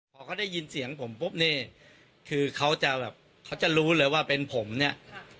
พอเขาได้ยินเสียงผมปุ๊บนี่คือเขาจะแบบเขาจะรู้เลยว่าเป็นผมเนี่ย